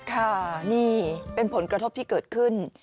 ค่ะนี่เป็นผลกระทบที่เกิดขึ้น